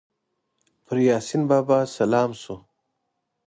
پر یاسین بابا سلام سو